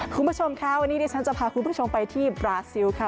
คุณผู้ชมค่ะวันนี้ดิฉันจะพาคุณผู้ชมไปที่บราซิลค่ะ